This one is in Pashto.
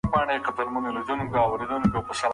هغه وویل چې روبوټونه به په خطرناکو دندو کې وګمارل شي.